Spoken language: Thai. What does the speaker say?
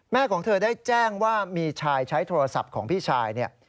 ของเธอได้แจ้งว่ามีชายใช้โทรศัพท์ของพี่ชายเนี่ย